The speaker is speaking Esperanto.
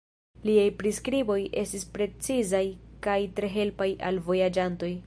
Liaj priskriboj estis precizaj kaj tre helpaj al vojaĝantoj.